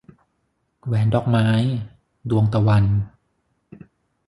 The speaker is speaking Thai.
แหวนดอกไม้ - ดวงตะวัน